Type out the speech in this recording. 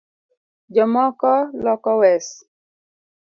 Jo moko Loko wes